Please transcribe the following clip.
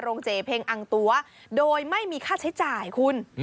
เจเพลงอังตัวโดยไม่มีค่าใช้จ่ายคุณ